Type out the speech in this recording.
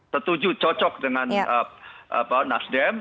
setuju cocok dengan nasdem